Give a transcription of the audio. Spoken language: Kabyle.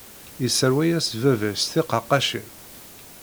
Yesserwa-yas baba-s tiqaqqacin.